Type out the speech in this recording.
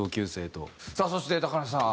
さあそして高梨さん。